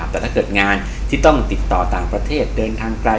แต่ถ้าเกิดงานที่ต้องติดต่อต่างประเทศเดินทางไกล